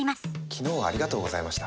昨日はありがとうございました。